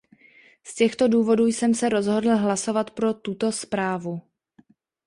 Z těchto důvodů jsem se rozhodl hlasovat pro tuto zprávu.